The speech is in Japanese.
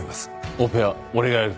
オペは俺がやる。